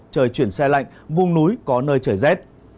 trời chuyển xe lạnh vùng núi có nơi trời rét